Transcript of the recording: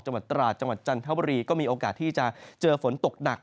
จังหวัดตราดจังหวัดจันทบุรีก็มีโอกาสที่จะเจอฝนตกหนัก